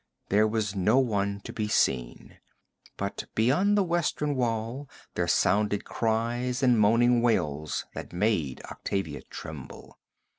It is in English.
There was no one to be seen, but beyond the western wall there sounded cries and moaning wails that made Octavia tremble.